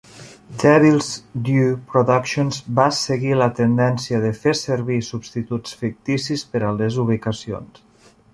Devil's Due Productions va seguir la tendència de fer servir substituts ficticis per a les ubicacions.